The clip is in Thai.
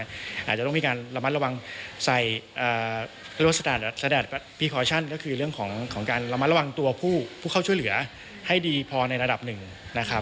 อาจจะต้องมีการระมัดระวังใส่เรื่องของการระมัดระวังตัวผู้เข้าช่วยเหลือให้ดีพอในระดับหนึ่งนะครับ